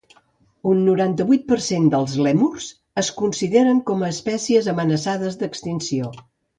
Un noranta-vuit percent dels lèmurs es consideren com a espècies amenaçades d'extinció